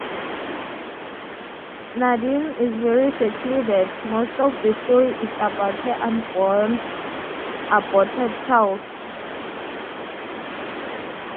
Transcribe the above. Nadine is very secluded, most of the story is about her unborn, aborted child.